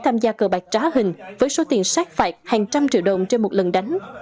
tham gia cờ bạc trá hình với số tiền sát phạt hàng trăm triệu đồng trên một lần đánh